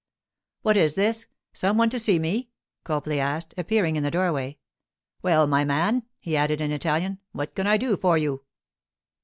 'What is this? Some one to see me?' Copley asked, appearing in the doorway. 'Well, my man,' he added in Italian, 'what can I do for you?